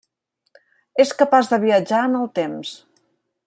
És capaç de viatjar en el temps.